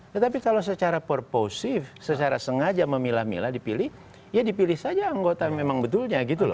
tetapi kalau secara purposif secara sengaja memilah milah dipilih ya dipilih saja anggota memang betulnya gitu loh